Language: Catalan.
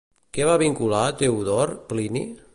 Què va vincular a Teodor, Plini?